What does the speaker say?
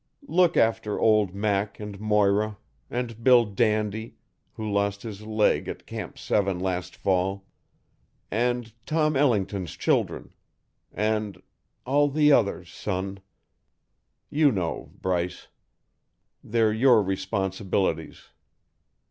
Look after old Mac and Moira and Bill Dandy, who lost his leg at Camp Seven last fall and Tom Ellington's children and all the others, son. You know, Bryce. They're your responsibilities.